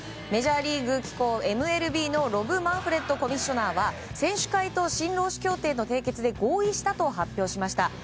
メジャーリーグ機構ＭＬＢのロブ・マンフレッドコミッショナーは選手会と新労使協定の締結で合意したと発表しました。